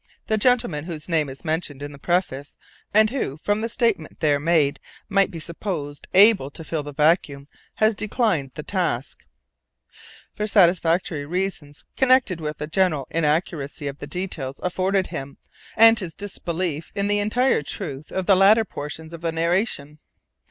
The gentleman whose name is mentioned in the preface, and who, from the statement there made, might be supposed able to fill the vacuum, has declined the task—this, for satisfactory reasons connected with the general inaccuracy of the details afforded him, and his disbelief in the entire truth of the latter portions of the narration.